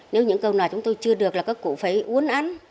nếu những câu nào chúng tôi chưa được là các cụ phải uốn ăn